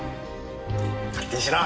勝手にしろ。